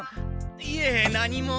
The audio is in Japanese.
いえ何も。